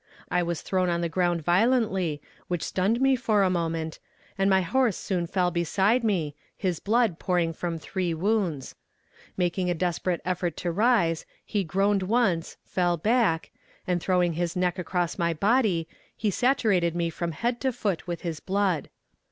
I was thrown on the ground violently which stunned me for a moment, and my horse soon fell beside me, his blood pouring from three wounds. Making a desperate effort to rise, he groaned once, fell back, and throwing his neck across my body, he saturated me from head to foot with his blood.